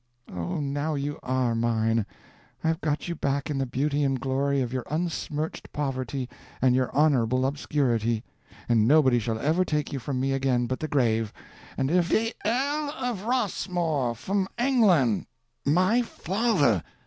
"O, now you are mine! I've got you back in the beauty and glory of your unsmirched poverty and your honorable obscurity, and nobody shall ever take you from me again but the grave! And if—" "De earl of Rossmore, fum Englan'!" "My father!"